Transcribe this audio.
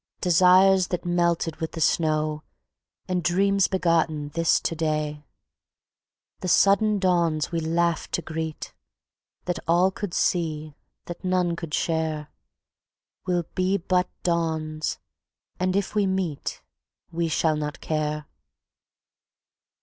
Desires that melted with the snow, And dreams begotten This to day: The sudden dawns we laughed to greet, That all could see, that none could share, Will be but dawns... and if we meet We shall not care.